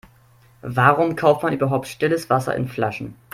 Warum kauft man überhaupt stilles Wasser in Flaschen?